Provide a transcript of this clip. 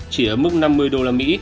chỉ ở mức năm mươi usd